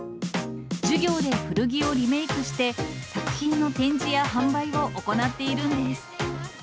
授業で古着をリメークして、作品の展示や販売を行っているんです。